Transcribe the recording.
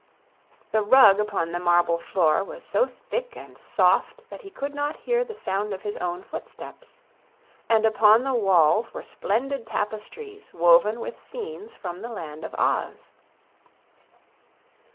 The rug upon the marble floor was so thick and soft that he could not hear the sound of his own footsteps, and upon the walls were splendid tapestries woven with scenes from the Land of Oz.